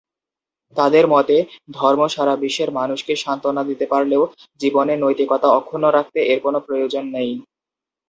তাদের মতে, ধর্ম সারা বিশ্বের মানুষকে "সান্ত্বনা" দিতে পারলেও জীবনে নৈতিকতা অক্ষুণ্ণ রাখতে এর কোন প্রয়োজন নেই।